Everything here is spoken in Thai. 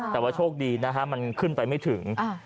แต่ว่าโชคดีนะฮะมันขึ้นไปไม่ถึง